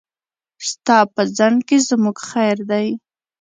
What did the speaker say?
ستا په ځنډ کې زموږ خير دی.